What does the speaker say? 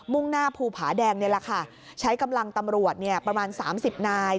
่งหน้าภูผาแดงนี่แหละค่ะใช้กำลังตำรวจประมาณ๓๐นาย